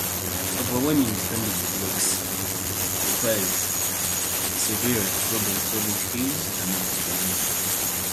Overcoming stumbling blocks requires perseverance, problem-solving skills, and determination.